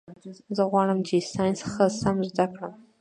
زه غواړم چي ساینس ښه سم زده کړم.